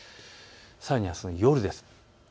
さらにあすの夜です。